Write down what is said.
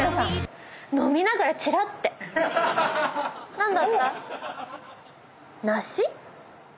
何だった？